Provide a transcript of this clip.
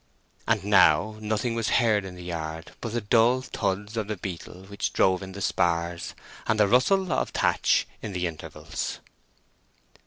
And now nothing was heard in the yard but the dull thuds of the beetle which drove in the spars, and the rustle of thatch in the intervals.